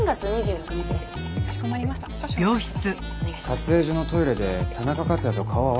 撮影所のトイレで田中克也と顔を合わせましたか？